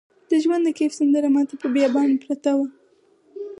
د ژوند د کیف سندره ماته په بیابان پرته وه